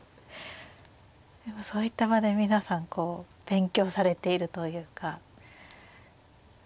そういった場で皆さんこう勉強されているというか。